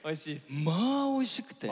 まあおいしくて。